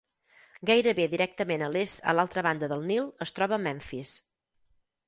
Gairebé directament a l'est a l'altra banda del Nil es troba Memphis.